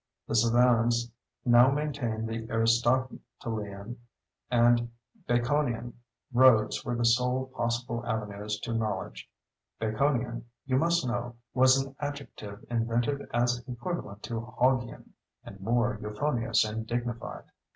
The savans now maintained the Aristotelian and Baconian roads were the sole possible avenues to knowledge. "Baconian," you must know, was an adjective invented as equivalent to Hog ian and more euphonious and dignified.